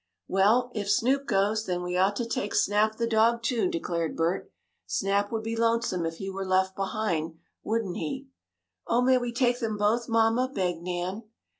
"Well if Snoop goes, then we ought to take Snap, the dog, too," declared Bert. "Snap would be lonesome if he were left behind, wouldn't he?" "Oh, may we take them both, mamma?" begged Nan.